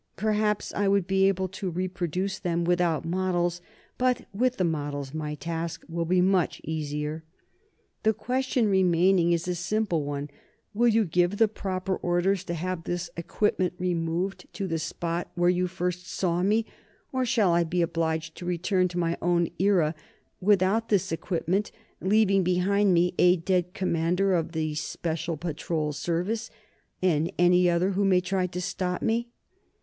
Perhaps I would be able to reproduce them without models, but with the models my task will be much easier. "The question remaining is a simple one: will you give the proper orders to have this equipment removed to the spot where you first saw me, or shall I be obliged to return to my own era without this equipment leaving behind me a dead commander of the Special Patrol Service, and any other who may try to stop me?"